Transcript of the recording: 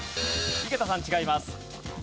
井桁さん違います。